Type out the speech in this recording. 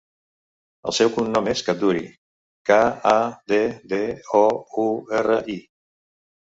El seu cognom és Kaddouri: ca, a, de, de, o, u, erra, i.